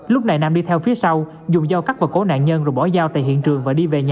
lúc này nam đi theo phía sau dùng dao cắt vào cổ nạn nhân rồi bỏ dao tại hiện trường